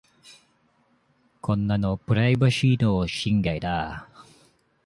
こんなのプライバシーの侵害だ。